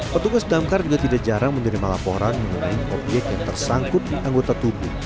petugas damkar juga tidak jarang menerima laporan mengenai obyek yang tersangkut di anggota tubuh